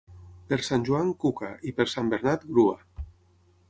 Per Sant Joan, cuca, i per Sant Bernat, grua.